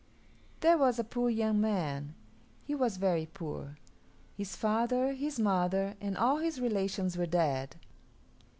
There was a poor young man. He was very poor. His father, his mother, and all his relations were dead.